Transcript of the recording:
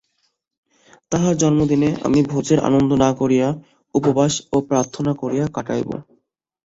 তাঁহার জন্মদিনে আমি ভোজের আনন্দ না করিয়া বরং উপবাস ও প্রার্থনা করিয়া কাটাইব।